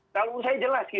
kalau saya jelas